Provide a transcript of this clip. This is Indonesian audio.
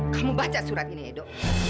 kamu baca surat ini edo